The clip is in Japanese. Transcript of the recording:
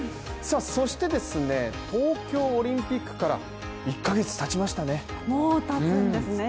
そして、東京オリンピックから１カ月たちましたね。